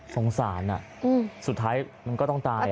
สงสารสุดท้ายมันก็ต้องตาย